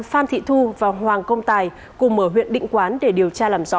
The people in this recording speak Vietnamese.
phan thị thu và hoàng công tài cùng ở huyện định quán để điều tra làm rõ